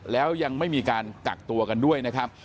แล้วยังไม่มีการกักตัวกันด้วยนะครับ